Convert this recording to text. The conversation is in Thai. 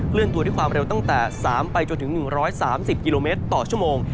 เลื่อนตัวด้วยความเร็วตั้งแต่๓ไปจนถึง๑๓๐กิโลเมตรต่อชั่วโมง